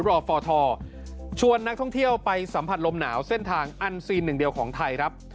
รอฟทชวนนักท่องเที่ยวไปสัมผัสลมหนาวเส้นทางอันซีนหนึ่งเดียวของไทยครับ